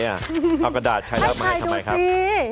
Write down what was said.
เอากระดาษใช้แล้วมาให้ทำไมครับให้ใครดูสิ